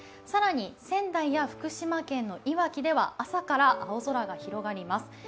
さらに、仙台や福島県のいわきでは朝から青空が広がります。